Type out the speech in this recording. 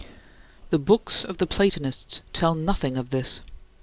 The books of the Platonists tell nothing of this.